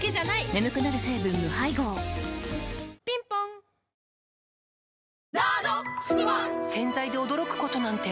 眠くなる成分無配合ぴんぽん洗剤で驚くことなんて